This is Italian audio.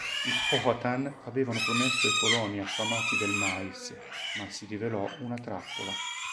I Powhatan avevano promesso ai coloni affamati del mais, ma si rivelò una trappola.